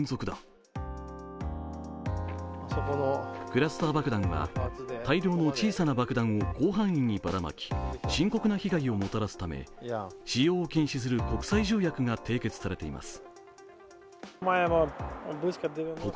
クラスター爆弾は、大量の小さな爆弾を広範囲にばらまき、深刻な被害をもたらすため使用を禁止する国際条約が締結されています。